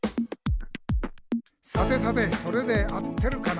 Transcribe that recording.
「さてさてそれで合ってるかな？」